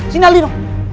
sini alih dong